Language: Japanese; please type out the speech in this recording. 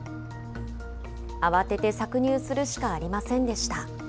慌てて搾乳するしかありませんでした。